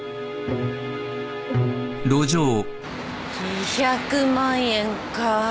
２００万円か。